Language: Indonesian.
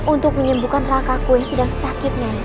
untuk menyembuhkan raka walafsungsa yang sedang sakit